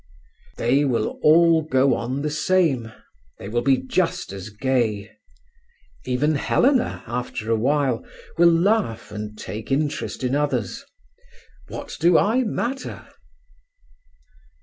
"They will all go on the same; they will be just as gay. Even Helena, after a while, will laugh and take interest in others. What do I matter?"